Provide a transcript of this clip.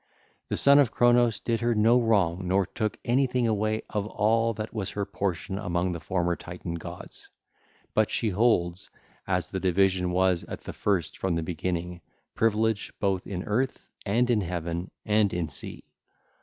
The son of Cronos did her no wrong nor took anything away of all that was her portion among the former Titan gods: but she holds, as the division was at the first from the beginning, privilege both in earth, and in heaven, and in sea.